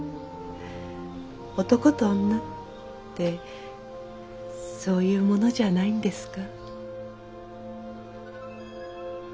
男と女ってそういうものじゃないんですか？